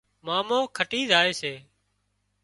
مامو کٽِي زائي سي